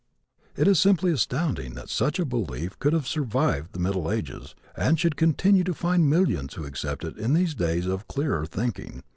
It is simply astounding that such a belief could have survived the Middle Ages and should continue to find millions who accept it in these days of clearer thinking.